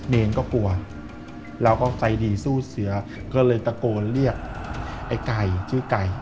เนรก็กลัวเราก็ใจดีสู้เสือก็เลยตะโกนเรียกไอ้ไก่ชื่อไก่